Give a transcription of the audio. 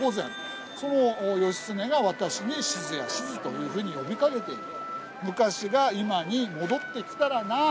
その義経が私に「しづやしづ」というふうに呼びかけている昔が今に戻ってきたらなあと。